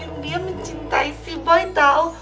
kamu tuh biar biar mencintai si boy tau